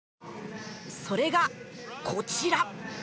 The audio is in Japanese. それがこちら。